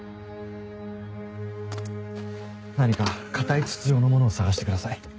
何か硬い筒状のものを探してください。